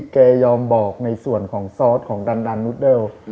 แกยอมบอกในส่วนของซอสของดันนุดเดิล